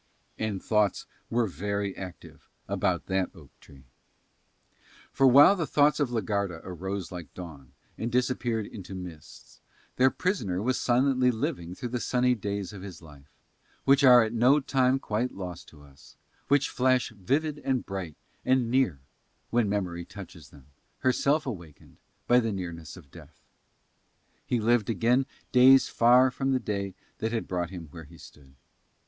And thoughts were very active about that oak tree. For while the thoughts of la Garda arose like dawn, and disappeared into mists, their prisoner was silently living through the sunny days of his life, which are at no time quite lost to us, and which flash vivid and bright and near when memory touches them, herself awakened by the nearness of death. He lived again days far from the day that had brought him where he stood.